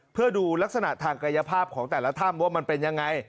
เพื่อดูลักษณะทางกายภาพของแต่ละถ้ำว่ามันเป็นยังไง